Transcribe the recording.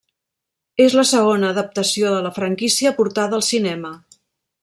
És la segona adaptació de la franquícia portada al cinema.